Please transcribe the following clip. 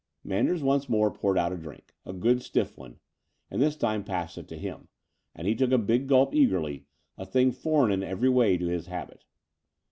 Manders once more poured out a drink — a good stiff one — and this time passed it to him: and he took a big gulp eagerly, a thing foreign in every way to his habit.